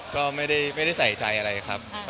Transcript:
ก็ไม่ได้ใส่ใจอะไรครับ